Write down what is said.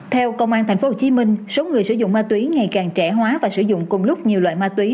theo công an tp hcm số người sử dụng ma túy ngày càng trẻ hóa và sử dụng cùng lúc nhiều loại ma túy